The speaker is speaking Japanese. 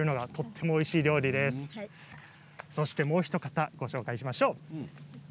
もうひと方ご紹介しましょう。